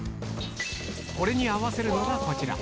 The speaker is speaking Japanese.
これに合わせるのがこちら。